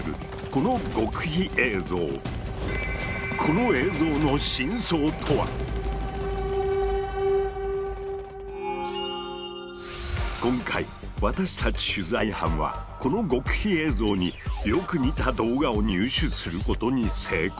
この映像の真相とは⁉今回私たち取材班はこの極秘映像によく似た動画を入手することに成功！